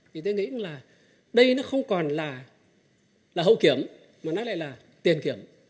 thì tôi nghĩ là đây nó không còn là hậu kiểm mà nó lại là tiền kiểm